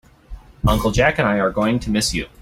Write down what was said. Uncle Jack and I are going to miss you.